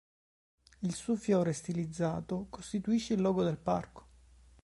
Il suo fiore, stilizzato, costituisce il logo del parco.